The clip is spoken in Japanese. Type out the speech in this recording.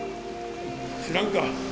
知らんか。